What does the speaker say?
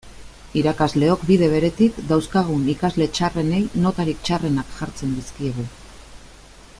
Irakasleok, bide beretik, dauzkagun ikasle txarrenei notarik txarrenak jartzen dizkiegu.